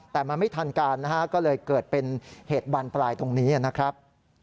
แต่มันไม่ทันการนะฮะก็เลยเกิดเป็นเหตุบานปลายตรงนี้นะครับ